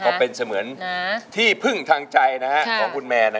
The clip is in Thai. ก็เป็นเสมือนที่พึ่งทางใจนะคะของคุณแมนนะครับ